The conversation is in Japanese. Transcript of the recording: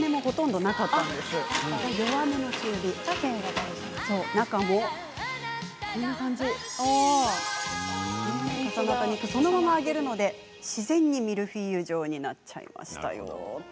重なった肉をそのまま揚げるので自然にミルフィーユ状になっちゃいましたよ。